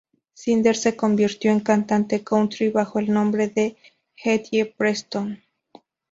Snyder se convirtió en cantante country bajo el nombre de Eddie Preston.